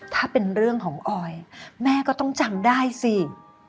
ถ้าเป็นเรื่องของออยแม่ก็ต้องจำได้สิ